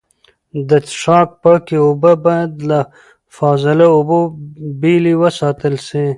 د څښاک پاکې اوبه باید له فاضله اوبو بېلې وساتل سي.